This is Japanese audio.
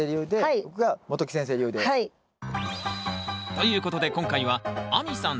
ということで今回は亜美さん